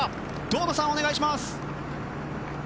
堂野さん、お願いします。